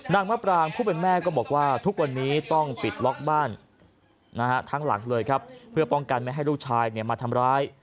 นางมะปรางผู้เป็นแม่ก็บอกว่าทุกวันนี้ต้องปิดล็อกบ้านทั้งหลังเลยครับเพื่อป้องกันไม่ให้ลูกชายมาทำร้าย